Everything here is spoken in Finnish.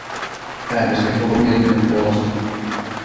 Äänestin koko mietinnön puolesta.